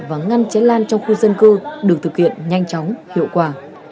và ngăn cháy lan trong khu dân cư được thực hiện nhanh chóng hiệu quả